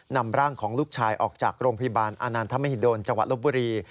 นำร่างของลูกชายออกจากโรงพยาบาลอานันทมหิดลจังหวัดลบบุรี